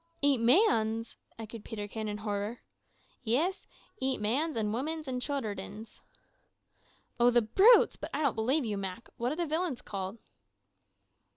"Eat mans!" echoed Peterkin in horror. "Yis, eat mans, and womins, an' childerdens." "Oh, the brutes! But I don't believe you, Mak. What are the villains called?"